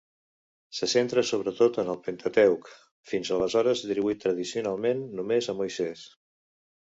Se centra sobretot en el Pentateuc, fins aleshores atribuït tradicionalment només a Moisès.